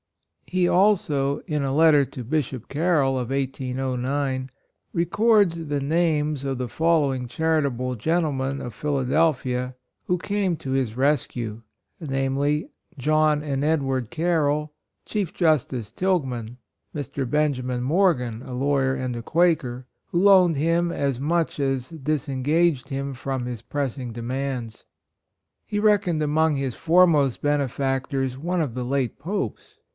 He also, in a letter to Bishop Carroll of 1809, records the names of the following charitable gentle men of Philadelphia who came to his rescue, viz : John and Edward Carrell, Chief Justice Tilghman, Mr. Benjamin Morgan, a lawyer and a Quaker, who loaned him as much as disengaged him from his pressing demands. He reckoned among his foremost benefactors one of the late Popes.